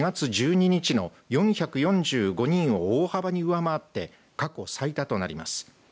４月１２日の４４５人を大幅に上回って過去最多となります。